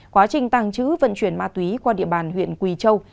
quá trình tàng trữ vận chuyển ma túy qua địa bàn huyện quỳ châu